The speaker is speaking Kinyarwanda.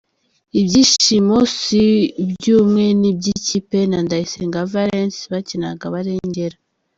Ibyishimo si iby’umwe ni iby’ikipe na Ndayisenga Valens bakinaga barengera.